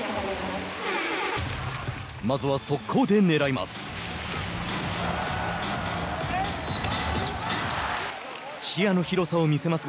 まずは速攻でねらいます。